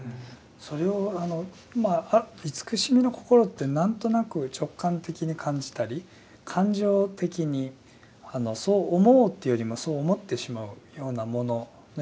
それを今慈しみの心ってなんとなく直感的に感じたり感情的にそう思おうというよりもそう思ってしまうようなもののような気がするんですね。